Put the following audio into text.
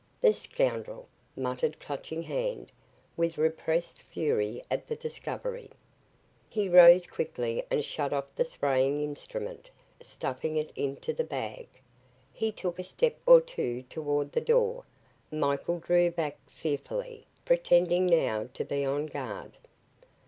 "The scoundrel!" muttered Clutching Hand, with repressed fury at the discovery. He rose quickly and shut off the spraying instrument, stuffing it into the bag. He took a step or two toward the door. Michael drew back, fearfully, pretending now to be on guard.